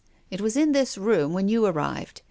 It was in this room when you arrived.